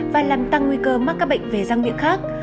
và làm tăng nguy cơ mắc các bệnh về răng miệng khác